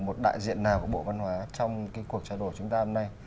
một đại diện nào của bộ phân hóa trong cuộc trao đổi chúng ta hôm nay